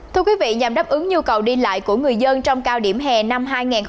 thưa quý vị nhằm đáp ứng nhu cầu đi lại của người dân trong cao điểm hè năm hai nghìn hai mươi bốn